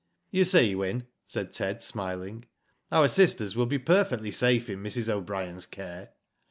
"You see, Wyn," said Ted, smiling, "our sisters will be perfectly safe in Mrs. O'Brien's care."